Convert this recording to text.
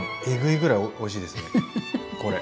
えぐいぐらいおいしいですね！